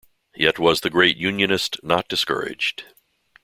Yet was the great "unionist" not discouraged.